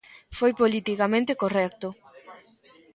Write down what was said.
Foi politicamente correcto.